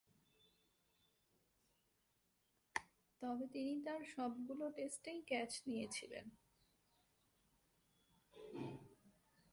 তবে তিনি তার সবগুলো টেস্টেই ক্যাচ নিয়েছিলেন।